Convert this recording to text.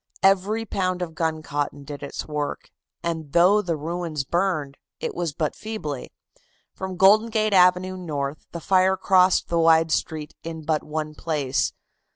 Every pound of guncotton did its work, and though the ruins burned, it was but feebly. From Golden Gate Avenue north the fire crossed the wide street in but one place.